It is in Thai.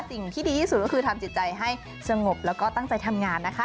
สิ่งที่ดีที่สุดก็คือทำจิตใจให้สงบแล้วก็ตั้งใจทำงานนะคะ